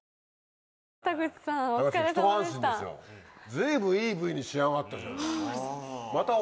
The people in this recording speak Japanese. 随分いいＶに仕上がったじゃない。